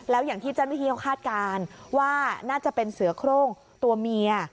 แล้วอย่างที่เจ้าหน้าที่เขาคาดการณ์ว่าน่าจะเป็นเสือโครงตัวเมีย